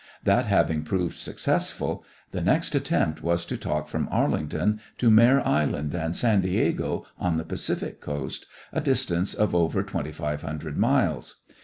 That having proved successful, the next attempt was to talk from Arlington to Mare Island and San Diego, on the Pacific Coast, a distance of over twenty five hundred miles.